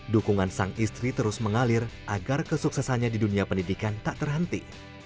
dukungan sang istri terus mengalir agar kesuksesannya di dunia pendidikan tak terhenti